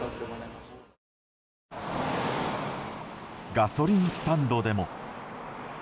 ガソリンスタンドでも。